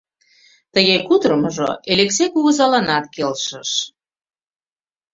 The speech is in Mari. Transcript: Тыге кутырымыжо Элексей кугызаланат келшыш.